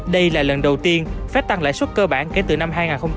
đây là lần đầu tiên fed tăng lãi suất cơ bản kể từ năm hai nghìn một mươi tám